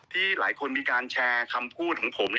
ที่หลายคนมีการแชร์คำพูดของผม